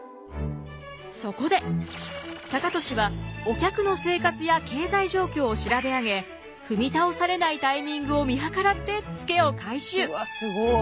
そこで高利はお客の生活や経済状況を調べ上げ踏み倒されないタイミングを見計らってツケを回収！